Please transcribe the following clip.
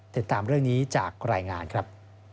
ติดตามเรื่องนี้จากรายงานครับ